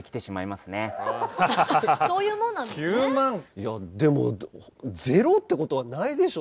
いやでもゼロって事はないでしょ